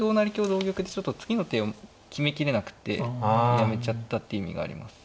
同玉でちょっと次の手を決めきれなくてやめちゃったって意味があります。